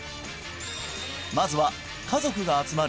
まずは家族が集まる